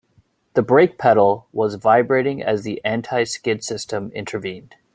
The brake pedal was vibrating as the anti-skid system intervened.